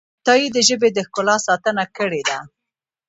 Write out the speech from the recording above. عطايي د ژبې د ښکلا ساتنه کړې ده.